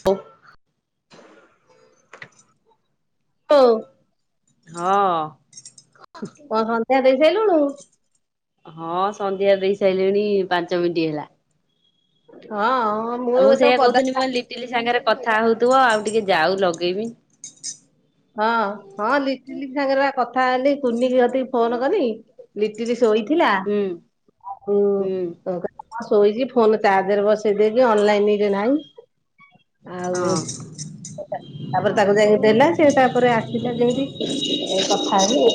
ହୋଉ। [unintelligible] ହାଲୋ। [unintelligible] ହଁ। କଣ ସନ୍ଧ୍ୟା ଦେଇ ସାଇଲୁଣୁ? ହଁ ସନ୍ଧ୍ୟା ଦେଇ ସାଇଲିଣି ପାଞ୍ଚ ମିନିଟ ହେଲା। ହଁ। ଆଉ ମୁଁ ତ ସେଇଆ ପଦା କହୁଥୁନି ମୁଁ କହିନି ଲିଟିଲି ସାଙ୍ଗରେ କଥା ହୋଉଥୁବ ଆଉ ଟିକେ ଯାଉ ଲଗେଇମି। ହଁ। ହଁ ଲିଟିଲି ସାଙ୍ଗରେ ପା କଥା ହେଲି କୁନିିକି କତିକି ଫୋନ କନି ଲିଟିଲି ଶୋଇଥିଲା। ହୁଁ ଆଉ ହୁଁ କହିଲା କଣ ଶୋଇଚି ଫ୍ ଫୋନ ଚାର୍ଜରେ ବସେଇଦେଇକି ଅନଲାଇନରେ ନାହିଁ। ଆଉ ହଁ ତା ତାପରେ ତାକୁ ଯାଇକି ଦେଲା। ସିଏ ତାପରେ ଆସିଲା ଯେମିତି କଥା ହେଲି [inaudible]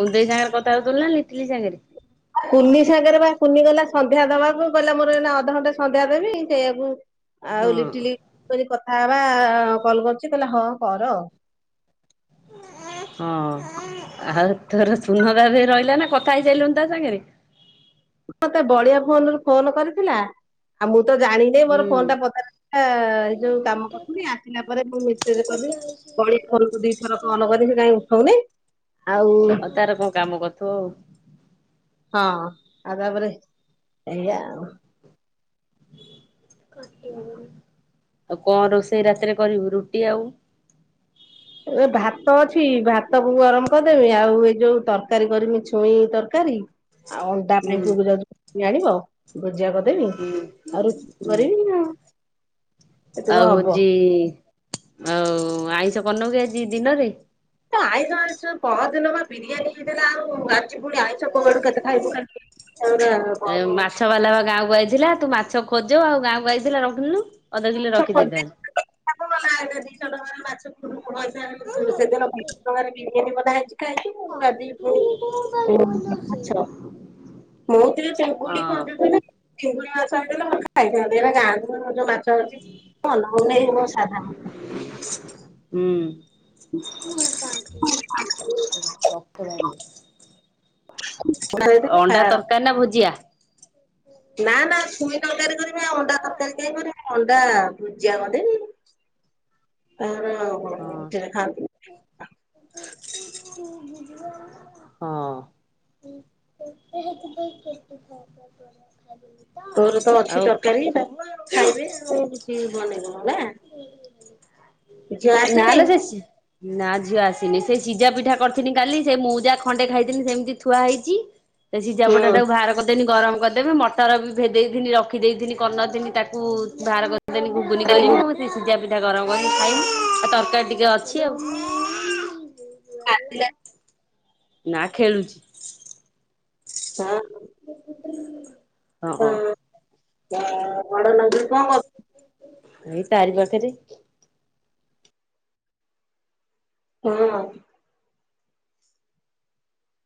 କୁନି ଦେଇ ସାଙ୍ଗରେ କଥା ହୋଉଥୁଲୁ ନା ଲିଟିଲି ସାଙ୍ଗରେ? କୁନି ସାଙ୍ଗରେ ପା କୁନି ଗଲା ସନ୍ଧ୍ୟା ଦବାକୁ କହିଲା ମୋର ଏଇନା ଅଧଘଣ୍ଟେ ସନ୍ଧ୍ୟା ଦେବି ସେଇଆକୁ ହଁ ଆଉ ଲିଟିଲିକି କହିଲି କଥା ହବା କଲ କରୁଚି କହିଲା ହଁ କର। ହଁ। ଆଉ ତୋର ଶୁନରାରେ ରହିଲା ନା କଥା ହେଇ ସାଇଲୁଣି ତା ସାଙ୍ଗରେ? ମତେ ବଳିଆ ଫୋନରୁ ଫୋନ କରିଥିଲା ଆଉ ମୁଁ ତ ଜାଣିନେଇ ମୋର ହୁଁ ଫୋନଟା ପଦାରେ ଥିଲା ଏଇ ଯୋଉ କାମ କରୁଥିଲି ଆସିଲା ପରେ ମୁଁ ମିସେଜ କଲି। କଳି ଫୋନକୁ ଦିଇଥର ଫୋନ କଲି ସେ କାଇଁ ଉଠୋଉନେଇ। ଆଉ ତାର କଣ କାମ କରୁଥିବ ଆଉ। ହଁ ଆଉ ତାପରେ ଏଇଆ ଆଉ। ଆଉ କଣ ରୋଷେଇ ରାତିରେ କରିବୁ ରୁଟି ଆଉ ଏ ଭାତ ଅଛି ଭାତକୁ ଗରମ କରିଦେମି ଆଉ ଏଇ ଯୋଉ ତରକାରୀ କରିମି ଛୁଇଁ ତରକାରୀ। ଆଉ ଅଣ୍ଡା ହୁଁ ପ୍ଲେଟକୁ ଯାଉଚି [unintelligible] ଆଣିବ। ଭୂଜିଆ କରିଦେମି ହୁଁ। ଆଉ ରୁଟି ହୁଁ କରମି ଆଉ। ଏତିକ ଆଉ ହବ। ହୋଉଚି ଆଉ ଆଇଁଷ କରିନୋଉ କି ଆଜି ଦିନରେ? ପା ଆଇଁଷ ଆଣିଛୁ ପହରଦିନ ପା ବିରିୟାନୀ ହେଇଥିଲା ଆଉ ଆଜି ପୁଣି ଆଇଁଷ କୋଉଆଡୁ କେତେ ଖାଇବୁ ଖା ଏ ମାଛବାଲା ପା ଗାଁକୁ ଆଇଥିଲା ତୁ ମାଛ ଖୋଜୁ ଆଉ ଗାଁକୁ ଆଇଥିଲା ରଖିଲୁନି। ମାଛ ଖୋଜେ [inaudible] ଦିଇଶ ଟଙ୍କାରେ ମାଛ ଖୁରୁ ପଇସା ସେଦିନ [inaudible] ବିରିୟାନୀ [inaudible] ହେଇଚି। କାଲିକି ମୁଁ ଆଜି ଭୋରୁ କୋଉ ମାଛ ମୁଁ ଟିକେ ଚିଙ୍ଗୁଡି ହଁ ଖୋଜୁଥିଲି। ଚିଙ୍ଗୁଡି ମାଛ ହେଇଥିଲେ ତ ମୁଁ ଖାଇଥାନ୍ତି ଏଡା ଗାଁକୁ କଣ ଯୋଉ ମାଛ ଯୋଉ ଅଛି [unintelligible] ସାଧା ରକ୍ତ ବାହାରେ ବାହାରିବ। ହେଇଥିଲେ ଅଣ୍ଡା ଖାର ତରକାରୀ ନା ଭୁଜିଆ? ନା ନା ଛୁଇଁ ତରକାରୀ କରିମି ଆଉ ଅଣ୍ଡା ତରକାରୀ କାଇଁ କରିମି ଅଣ୍ଡା ଭୁଜିଆ କରିଦେମି। ଆହୋ ହୋ ହଁ ହୋ ସେରା ଖାନ୍ତିି। ହଁ। ହଁ ଖ ତୋର ତ ଅଛି ତରକାରୀ ଡାଲମା ଆଉ ଖାଇବେ ଆଉ କିଛି ବନେଇବୁନୁ ନା? ଯା ନାଲୋ ସିଏ ସ୍-ନା ଝିଅ ଆସି- ନି ସେଇ ସିଜା ପିଠା କରିଥିନି କାଲି ସେ ମଉଜା ଖଣ୍ଡେ ଖାଇଥିନି ସେମତି ଥୁଆ ହେଇଚି। ସେଇ ସିଜା ପିଠାଟାକୁ ଭାର କରିଦେନି ଗରମ କରିଦେବି ମଟର ବି ଭେଦେଇିନି ରଖିଦେଇଥିନି କରିନଥିନି ତାକୁ ବାହାର କର୍ ଦେନ ଘୁଗୁନି କରିବୁ କି ସିଜା ପିଠା ଗରମ କରି ଖାଇମି ଆଉ ତରକାରୀ ଟିକେ ଅଛି ଆଉ। ହ ନା ଖେଳୁଚି। ହଁ। ହଁ। ବଡ ବଡ ନାତୁଣି କଁ କରୁ ଏଇ ତାରି ପାଖରେ। ହଁ।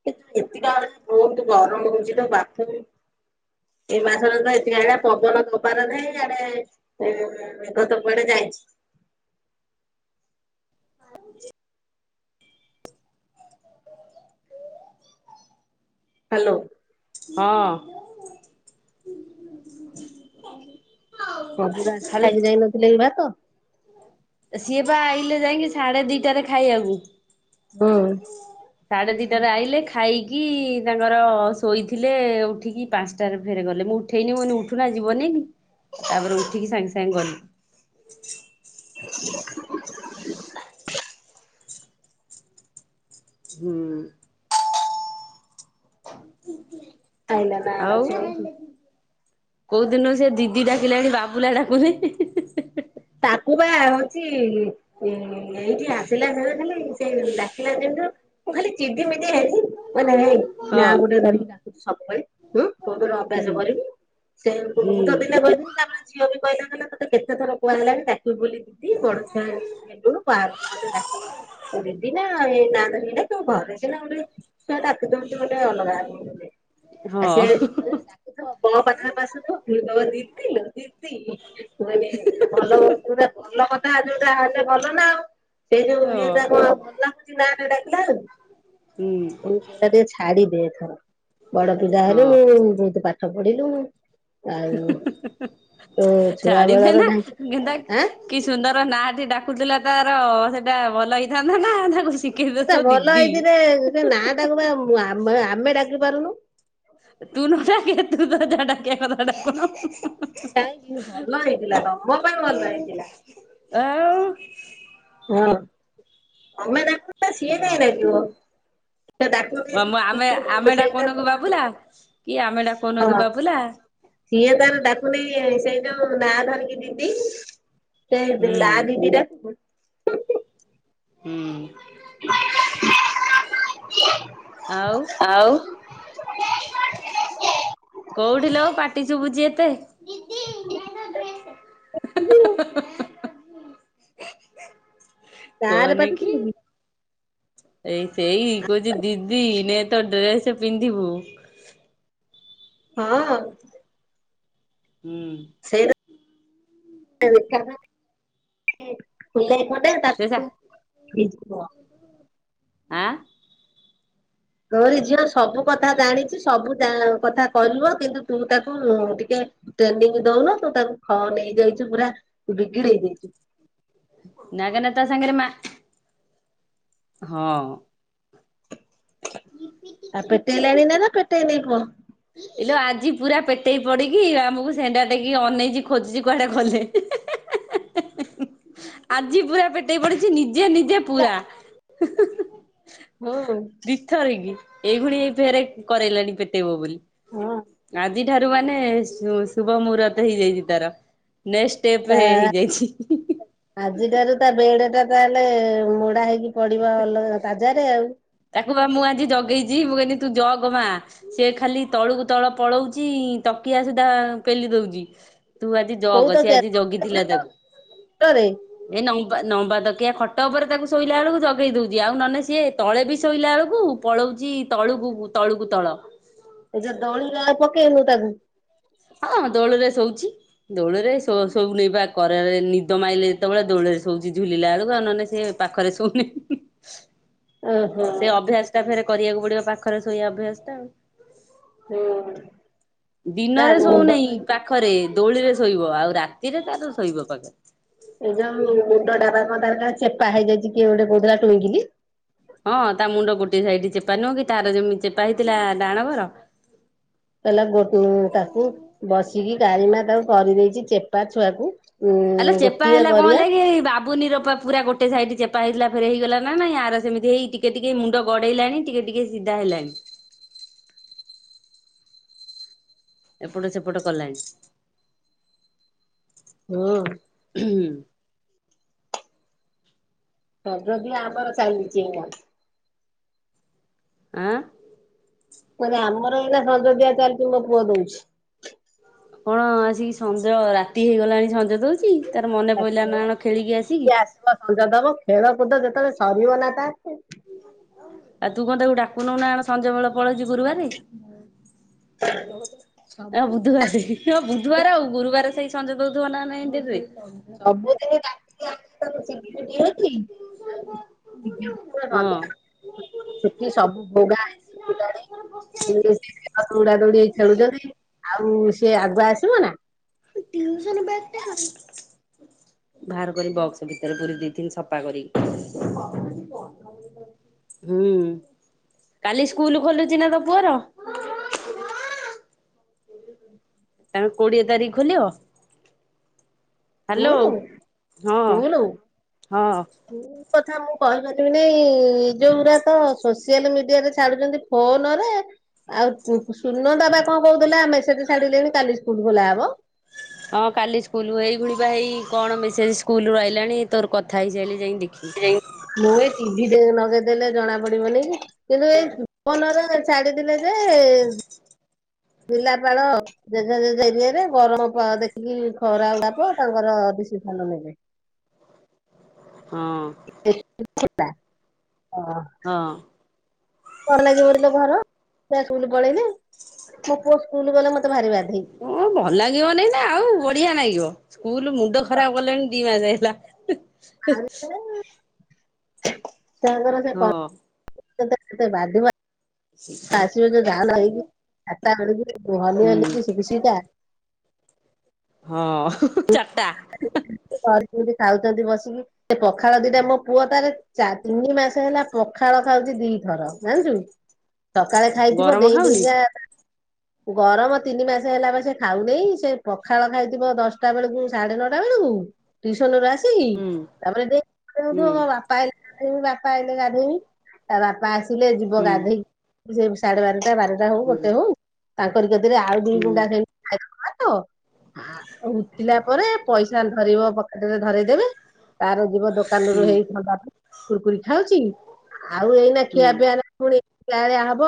କିନ୍ତ ଏତିକ ଆ ବହୁତ ଗରମ ହଉଛି ତ ବାଥରୁମ ଏଇ ମାସରେ ତ ଏଥି ଆଡେ ପବନ ଦବାର ନାହିଁ। ୟାଡେ ମେଘ ତ କୁଆଡେ ଯାଇଛି। [inaudible] ହ୍ୟାଲୋ। ହଁ। କଦୁର ଆସିକି ଖାଲି ଖାଇକି ଯାଇ ନଥିଲେ କି ଭାତ। ସିଏ ବା ଆଇଲେ ଯାଇକି ସାଢେ ଦିଟାରେ ଖାଇବାକୁ। ହୁଁ। ରେ ଆଇଲେ ଖାଇକି ତାଙ୍କର ଶୋଇଥିଲେ। ଉଠିକି ପାଞ୍ଚଟାରେ ଫେରେ ଗଲେ ମୁଁ ଉଠେଇନି। ମନ ଉଠୁନା ଯିବନି କି? ତାପରେ ଉଠିକି ସାଙ୍ଗେ ସାଙ୍ଗେ ଗଲେ। ହୁଁ। ଆଇଲା ତାଣ ଆଉ ଯ କୋଉ ଦିନୁ ସେ ଦିଦି ଡାକିଲାଣି ବାବୁଲା ଡାକୁନି। ତାକୁ ବା ହଉଛି- ଏ ଏଇଠି ଆସିଲା ବେଳେ ସେ ଖାଲି ସେଇ ଡାକିଲା ଦିନୁଠୁ ମୁଁ ଖାଲି ଚିଡି ମିଡି ହେଲି। କ ହଁ। ନାଁ ଗୋଟେ ଧରିକି ଡାକୁଚୁ ସବୁବେଳେ ଅଭ୍ୟାସ ହୁଁ କରିବୁ। ସେଟ ହୁଁ ଦିନେ କହିଛନ୍ତି ତାପ ଝିଅ ବି କହିଲା କହିଲା ତତେ କେତେ ଥର କୁହା ହେଲାଣି ଡାକିବୁ ବୋଲି ଦିଦି ବଡ ଛୁଆ ହେଲୁଣୁ। ବାହାରକୁ ଗଲେ ଡାକିବୁ। ଦିଦି ନା ଏ ନା ଧରିକି ଡାକିବୁ। ଘରେ ସିନା ଗୋଟେ ଛୁଆ ଡାକୁଛନ୍ତି ଗୋଟେ ଅଲଗା। ଆ ହଁ ସେ ଡାକୁଥିବ। ପାଖରେ ପାସୁଥ ପୁଣିଥବ ଦିଦି ଦିଦି। ଦିଦି ମୁଁ କହିଲି ଭଲ ଯୋଉଟା ଭଲ କଥା ଯୋଉଟା ହେଲେ ଭଲ ନା ଆଉ। ସେଇ ଯୋଉ ହଁ ଇଏଟା ଭଲ ଲାଗୁଛି ନାଁଟା ଡାକିଲା ଆଳୁକୁ। ହୁଁ ମୁଁ ସେଇଟା ଟିକେ ଛାଡି ଦେ ଏଥର। ବଡ ପିଲା ହଁ। ହେଲୁଣୁ। ବହୁତ ପାଠ ପାଠ ପଢିଲୁ ଆଉ। ଛୁଆ ବେଳର ଢାଞ୍ଚା ଗେନ୍ଦା ଆଁ କି ସୁନ୍ଦର ନାଟି ଡାକୁଥିଲା ତାର ସେଟା ଭଲ ହେଇଥାନ୍ତା ନା ତାକୁ। ଶିଖେଇ ଦଉଛ ଏଟ ଭଲ ଦିଦି। ହେଇଥିରେ ସେ ନା ଟାକୁ ବା ଆମେ ଆମେ ଡାକି ପାରୁନୁ। ତୁ ନ ଡାକିଲେ ତୁ ତୋର ଯାହା ଡାକିବା କଥା କାହିଁକି ଡାକୁନୁ। ଭଲ ହେଇଥିଲା ତମ ପାଇଁ ଭଲ ହେଇଥିଲା ଓ ଆ। ହଁ। ତମେ ଡାକୁନ। ସିଏ କାଇଁ ଡାକିବ। ସେଟା ଡାକୁନି ଆମ ଆମେ ଆମେ [unintelligible] ସେଇଟା ଡାକୁନୁ କି ହଁ। ବାବୁଲା। କି ଆମେ ଡାକୁନୁ କି ବାବୁଲା ସିଏଁ ତାର ଡାକୁନେଇ ସେ ଯୋଉ ନା ଧରିକି ଦିଦି ସେ ହୁଁ ନା ଦିଦିଟା ହୁଁ। ଆଉ। କୋଉଠିଲ ଆଉ ପାଟି ସୁବୁଛି ଏତେ? [unintelligible] ତାର କହନି ପାଟି କି। ଶୁଭୁଚି। ଏଇ ସେଇ କହୁଛି ଦିଦି ନେ ତୋ ଡ୍ରେସେ ପିନ୍ଧିବୁ। ହଁ। ହୁଁ। [unintelligible] ମନ୍ ଡେ ସେ ତାକୁ ସା ତୁ ଫ୍ରିଜ୍ ପୁଅ। ଆଁ। ଗରି ଝିଅ ସବୁ କଥା ଜାଣିଛି। ସବୁ କଥା କରିବ କିନ୍ତୁ ତୁ ତାକୁ ଟିକେ ଟେନିଙ୍ଗ ଦଉନୁ ତୁ ତାକୁ ଖ ନେଇଯାଇଛୁ ପୁରା ବିଗିଡେଇ ଦେଇଛୁ। ନାଗେନା ତା ସାଙ୍ଗେରେ ମା ହଁ। ଆଉ ପେଟେଇଲାଣି ନା ନା ପେଟେଇ ନେଇ ପୁଅ ଇଲୋ ଆଜି ପୁରା ପେଟେଇ ପଡିକି ଆମକୁ ସେଣ୍ଡା ଟେକିକି ଅନେଚି ଖୋଜୁଚି କୁଆଡେ ଗଲେ। ଆଜି ପୁରା ପେଟେଇ ପଡିଚି ନିଜେ ନିଜେ ପୁରା। ହୁଁ ଦିଥରିକି ଏଇଭୁଳି ଏ ଫରେ କରାଇଲାଣି ପେଟେଇବ ବୋଲି। ହଁ। ଆଜି ଠାରୁ ମାନେ ଶୁ ଶୁଭ ମୁହରତ ହେଇଯାଇଚି ତାର। ନେକ୍ସଟ ଷ୍ଟେପ ତା ହେଇଯାଇଛି ଆଜିଠାରୁ ତା ବେଡ ତାହେଲେ ମୁଢା ହେଇକି ପଡିବ ଅଲ ତାଜାରେ ଆଉ। ତାକୁ ବା ମୁଁ ଆଜି ଜଗେଇଚି ମୁଁ କହିଲି ତୁ ଜଗମା ସିଏ ଖାଲି ତଳକୁ ତଳ ପଳଉଚି ତକିଆ ସୁଧା ପେଲି ଦଉଚି। ତୁ ଆଜି କୋଉ ଜଗ ସେ ଆଜି ତ ଜଗିଥିଲା ତାକୁ ଏ ନ ନମ୍ବା ତକିଆ ଖଟ ଉପରେ ତାକୁ ଶୋଇଲା ବେଳକୁ ଜଗେଇ ଦଉଛି ଆଉ ନହେଲେ ସିଏ ତଳେ ସେ ଶୋଇଲା ବେଳକୁ ପଳଉଛି ତଳୁକୁ ତଳୁକୁ ତ ଏ ଯା ଦଳି ପକେଇନୁ ତାକୁ ହଁ ଦୋଳରେ ଶୋଉଛି ଦୋଲିରେ ଶୋଉନେବା କରା ନିଦ ମାଇଲେ ଯେତେବେଳେ ଦୋଳରେ ଶଉଛି ଝୁଲିଲା ବେଳକୁ ଆଉ ନହେଲେ ସେ ପାଖରେ ଶୋଉନି। ଓହୋ ସେଇ ଅଭ୍ୟାସ ଟା ଫେରେ କରିବାକୁ ପଡିବ ପାଖରେ ଶୋଇବା ଅଭ୍ୟାସ ଟା ଆଉ। ହଁ। ଦିନରେ ଶୋଉନେଇ ପାଖରେ ଦୋଳିରେ ଶୋଇବ ଆଉ ରାତିରେ ତାର ଶୋଇବ ପାଖରେ। ହଁ ତାର କଲେଚେପା ହେଇଯାଇଛି କିଏ ଗୋଟେ କହୁଉଥିଲା ଟୁଇଁକିଲି। ହଁ ତା ମୁଣ୍ଡ ଗୋଟେ ସାଇଡି ଚେପା ନୁହଁ କି ତାର ଯେମିତୀ ଚେପା ହେଇଥିଲା ଡାହଣକର। କହିଲା ଗୋଟୁନ ତାକୁ ବସିକି ଗାଳିମା ତାକୁ କରିଦେଇଛି ଚେପା ଛୁଆକୁ। ଉଁ ଗୋଟିଏ କରିବାଆ। ପୁନିରା ପୁର ଗୋଟେ ସାଇଡ୍ ଚେପ ହେଥିଲା ଫେରେ ହେଇଗଲା ନାାଇଁ ଆର ସେମିତି ହେଇ ଟିକେ ଟିକେ ମୁଣ୍ଡ ଗଡେଇଲାଣି ଟିକେ ଟିକେ ସିଧା ହେଲଣିି। ଏପଟେ ସେପଟ କଲାଣି। ହୁଁ। ରାଜ ବି ଆମର ଚାଲିଲିଛି ଏଇନା। ଆଁ। ମାନେ ଆମର ଏନା ସଂଯଦିଆଚାଲିଛି ମୋ ପୁଅ ଦଉଛି। କଣ ଆସିକି ସଞ୍ଜ ରାତି ହେଇଗଲାଣି ସଞ୍ଜ ଦଉଛି। ତାର ମନେ ଆଛା ପଇଲା ନା କଣ ଖେଳିକି ଆସିକି ସେ ଆସିବ ସଞ୍ଜ ଦେବ ଖେଳକୁୁଦ ଯେତେ ତେ ସରିିଗଲାପା। ଆ ତୁ କଣ ଡାକୁନଉ ନା କଣ ସଞ୍ଜ ବେଳ ପଳେଇଚଛି ଗୁରୁବାରେ। ଆ ବୁଧବାର ହ ବୁଧବାର ଆଉ ଗୁରୁବାର ସେଇ। ସଞଜ ଦଉଥିବ ନା ନାହିଁ ଡେରିରେ। ସବୁଦିନେ ଡାକିକିଆଣୁ ତାକୁ ଚିଡିମିଡି ହେଉଚି। ଆଉ ହଁ [inaudible] ଛୁଟି ସବୁ ବୁଡା ହୋଇଗ ଲାଣି। ଦୌଡା ଦୌଡି ଖେଳୁଛନ୍ତି ଆଉ ସିଏ ଆଗୁଆ ଆସିବ ନା। ଟିଉସନ ବ୍ୟାଗ ଟା କୋଉ ଠୀ? ବାହାର କରି ବକ୍ସ ଭିତରେ ପୁରେଇଦେଇଥି ଦି ସଫା କରି କି। ହୁଁ କାଲି ସ୍କୁଲ ଖୋଲୁଛି ନା ତ ପୁଅର? [inaudible] ତମେ କୋଡିଏ ତାରିଖ ଖୋଲିବ? ହ୍ୟାଲୋ ଶୁଣୁଉ ହଁ ସୁଣୁୁଉ ହଁ ଶୁଣୁ କଥା ମୁ କହିପାରିବି ନାଇ ଯୋଉଗୁଡା ତ ସୋସିଆଲ ମିଡିଆ ରେ ଛାଡୁଛନ୍ତି ଫୋନରେଉ। ଆଉ ସୁନଦାତା ପା କଣ କହୁଥିଲା। ମେସେଜ ଛାଡ଼ିଲେଣି କାଲି ସ୍କୁଲ ଖୋଲା ହବ। ହଁ କାଲି ସ୍କୁଲ ଏଇଖୁଣି ପା ହେଇ କଣ ମେସେଜ ସ୍କୁଲରୁ ଆଇଲାଣି ତୋର କଥା ହେଇଶାଇଲେ ଯାଇକି ମୁଁ। ଭି ଲଗେଇଦେଲେ ଜଣା ପଡିବନି କି କିନ୍ତୁ ଏଇ ଫନର ଛାଡିଦଲେ ଯେ [inaudible] ପିଲାପାଳ ଜେଜୋଜେଜ ଏରିଆରେ ଗରମ ଦେଖିକି ଖରା ଗପ ତାଙ୍କର ବି ସେ ଭଲ ଲାଗେ। [inaudible] ହଁ। [unintelligible] କ ହଁ ଲାଗି ବିଲ ଘର ସ୍କୁଲ ପଳେଇଲି ମୋ ପୁଅ ସ୍କୁଲ ଗଲେ ମତେ ବାହାରିବାର ଓ ଭଲ ଲାଗିବ ନାଇଁ ନା ଆଉ ବଢିଆ ନାଗିବ ସ୍କୁଲ ମୁଣ୍ଡ ଖରାପ କଲେଣି ଦି ମାସ ଯାଇ ନା ଆଉ ତାଙ୍କର ସେ କ ହଁ କେତେ ବାଧିବ। ଆସିବ ଯେ ଧାନ ହେଇକି [unintelligible] ହଲି ହୁଁ ହଲି ସେଟା ହଁ ଚାରିଟା [inaudible] ଖାଉଛନ୍ତି ବସିକି ସେ ପଖାଳ ଦିଟା ମୋ ପୁଅ ତାର ତିନି ମାସ ହେଲା ପଖାଳ ଖାଉଛି ଦି ଥର ଜାଣିଛୁ ସକାଳେ ଖାଇଥିବ ଗରମ ଡେଇଁ ଖାଉନି ଡେଇଁକା [inaudible] ଗରମ ତିନି ମାସ ହେଲା ପରେ ସେ ଖାଉନି ସେ ପଖାଳ ଖାଇଥିବ ଦଶଟା ବେଳକୁ ସାଢେ ନଅଟା ବେଳକୁ ଟିଉସନ ରୁ ଆସିକି ହୁଁ ତାପରେ ମ ହୁଁ ବାପା ଗବି ବାପା ଆଇଲେ ଗାଧେଇବି ତା ବାପା ଆସିଲେ ଯିବ ଗାଧେଇକି ସାଢ଼େ ବାର ଟା ବାରଟା ହଉ ହୁଁ ଗୋଟେ ହଉ ତାପରେ ଆଉ ଦି ହୁଁ ଗୁଣ୍ଡା ଖ ଖାଇ ଦବ ଉଠିଲା ପରେ ପଇସା ଧରିବ ରେ ଧରଇଦେବେ ତାର ଯିବ ଦୋକାନରୁୁ ହୁଁ ହେଇ ଥଣ୍ଡା ପିଇ କୁରକୁରି ଖାଉଛି ଆଉ ଏଇନା ହୁଁ ହୁଁ ଖିଆ ପିଆ ନା ପୁଣି ଲା ଭଳିଆ ହବ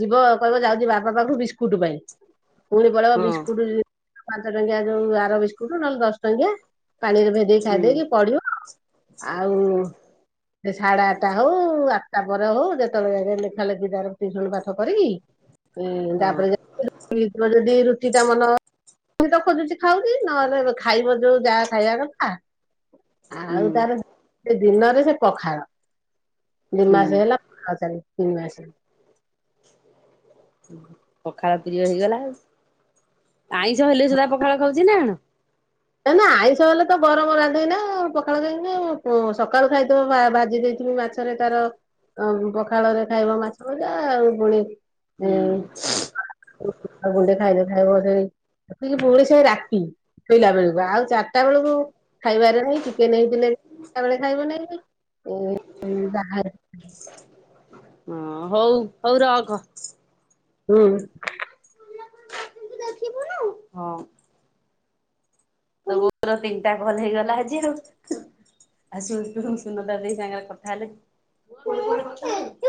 ଯିବ କହିବ ଯାଉଛି ବାପା ପାଖରୁ ବିସ୍କୁଟ ପାଇଁ ପୁଣି ପଳେଇବ ହଁ ବିସ୍କୁଟ ପାଞ୍ଚ ଟଙ୍କିଆ ଯୋଉ ଆର ବିସ୍କୁଟ ନହେଲେ ଦଶ ଟଙ୍କିଆ ପାଣିରେ ଭେଦେଇ ହୁଁ ଖାଇଦେଇକି ପଢିବ ଆଉ ସେ ସାଢେ ଆଠଟା ହଉ ଆଠଟା ପରେ ହଉ ଯେତେବେଳେ ଗଲେ [unintelligible] ତା ହଁ ମନ ମୁ ତ ଖୋଜୁଛି ଖାଉଛି ନହେଲେ ଖାଇବ ଯୋଉଁ ଯାହା ଖାଇବା କଥା ଆଉ ହୁଁ ତାର ଦିନରେ ସେ ପଖାଳ ଦି ହୁଁ ମାସ ହେଲା ପଖାଳ ଚାଲି ତିନି ମାସେ ପଖାଳ ପ୍ରିୟ ହେଇଗଲା ଆଉ ଆଇଁଷ ହେଲେ ସିନା ପଖାଳ ଖାଉଛି ମୁଁ। ନ ନା ଆଇଁଷ ହେଲେ ତ ଗରମ ରାନ୍ଧେ ନା ପଖାଳୁ କାକି ସକାଳୁ ଖାଇଥିବ ଭାଜି ଦେଇ ମାଛରେ ତାର ପଖାଳରେ ଖାଇବ ମାଛ ଭଜା ଆଉ ପୁଣି ହୁଁ [unintelligible] ଆଉ ଗୁଣ୍ଡେ ଖାଇଦ ଖାଇବ ପୁଣି ସେ ରାତି ସେ ରାତି ଶୋଇଲା ବେଳକୁ ଆଉ ଚାରିଟା ବେଳକୁ ଖାଇବାରେ ନାଇଁ ଚିକେନ ହେଇଥିଲେ ଚିଟା ବେଳେ ଖାଇବ ନାହିଁ। ଏ ବା [unintelligible] ହଁ ହଉ ହଉ ରଖ। ହୁଁ। ହଁ। [unintelligible] ର ତିନିଟା ଭଲ ହେଇଗଲା ଆଜି ଆଉ। ଆଉ ସୁନଦା ବୋଉ ସେ ସାଙ୍ଗରେ କଥା ହେଲେ